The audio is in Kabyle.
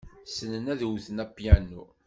Ssnen ad wten apyanu.